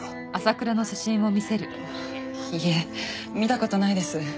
いえ見た事ないです。